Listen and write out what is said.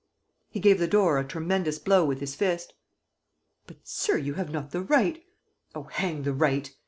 ..." He gave the door a tremendous blow with his fist. "But, sir, you have not the right ..." "Oh, hang the right!"